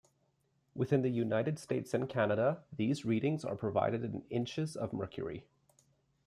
Within the United States and Canada, these readings are provided in inches of mercury.